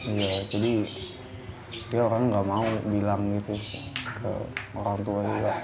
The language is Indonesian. ya jadi dia orang enggak mau bilang gitu ke orang tua dia